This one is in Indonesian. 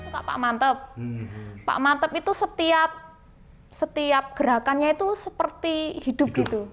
pak mantep itu setiap gerakannya itu seperti hidup gitu